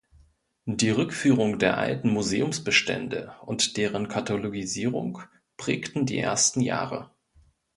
Die Rückführung der alten Museumsbestände und deren Katalogisierung prägten die ersten Jahre.